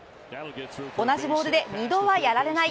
同じボールで２度はやられない。